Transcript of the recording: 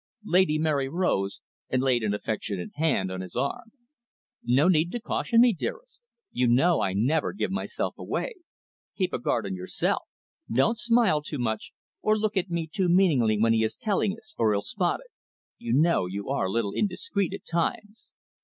Lady Mary rose, and laid an affectionate hand on his arm. "No need to caution me, dearest. You know I never give myself away. Keep a guard on yourself. Don't smile too much, or look at me too meaningly when he is telling us, or he'll spot it. You know, you are a little indiscreet at times."